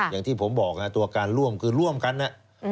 อย่างที่ผมบอกตัวการร่วมคือร่วมกันนะ